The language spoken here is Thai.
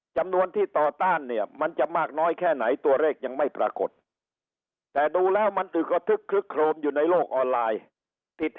จำนวนที่ต่อต้านเนี่ยมันจะมากน้อยแค่ไหนตัวเลขยังไม่ปรากฏแต่ดูแล้วมันถึงกระทึกคลึกโครมอยู่ในโลกออนไลน์